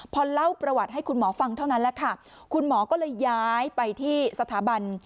พอเล่าประวัติให้คุณหมอฟังเท่านั้นแหละค่ะคุณหมอก็เลยย้ายไปที่สถาบัน